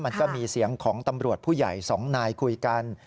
มันก็มีเสียงของตำรวจผู้ใหญ่สองนายคุยกัน